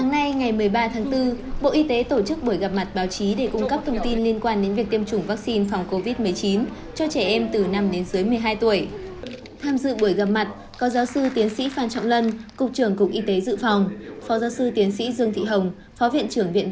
hãy đăng ký kênh để ủng hộ kênh của chúng mình nhé